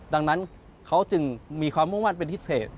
ดังนั้นเขาจึงมีความมุ่งมั่นเป็นพิเศษ